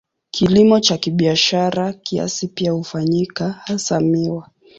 Kilimo cha kibiashara kiasi pia hufanyika, hasa miwa.